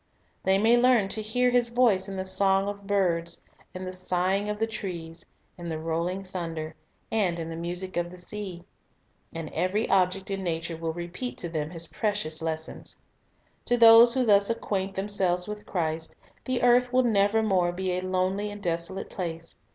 They may learn to hear His voice in the song of birds, in the sighing of the trees, in the rolling thunder, and in the music of the sea. And every object in nature will repeat to them His precious lessons. To those who thus acquaint themselves with Christ, the earth will nevermore be a lonely and desolate place.